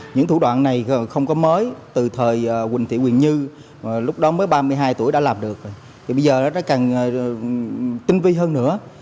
những thủ đoạn này không có mới từ thời quỳnh thị quỳnh như lúc đó mới ba mươi hai tuổi đã làm được thì bây giờ nó càng tinh vi hơn nữa